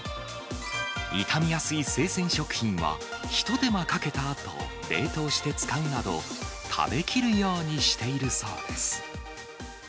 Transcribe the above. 傷みやすい生鮮食品は、ひと手間かけたあと、冷凍して使うなど、食べきるようにしているそうです。